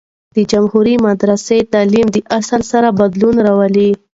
د جمهوری مدرسه د تعلیم د اصل سره بدلون راووي.